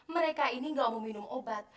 mereka ini nggak mau minum obat